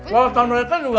walau sama mereka juga